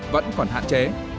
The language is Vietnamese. vẫn còn hạn chế